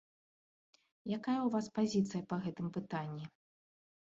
Якая ў вас пазіцыя па гэтым пытанні?